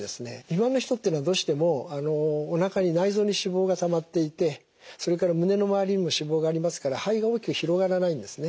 今の人っていうのはどうしてもおなかに内臓に脂肪がたまっていてそれから胸の周りにも脂肪がありますから肺が大きく広がらないんですね。